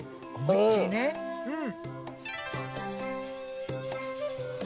うん。